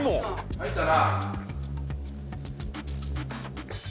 入ったな？